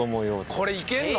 これいけるの？